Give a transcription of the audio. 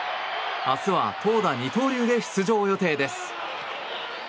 明日は投打二刀流で出場予定です。